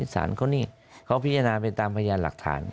สารเขานี่เขาพิจารณาไปตามพยานหลักฐาน